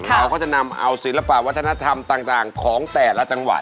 เราก็จะนำเอาศิลปะวัฒนธรรมต่างของแต่ละจังหวัด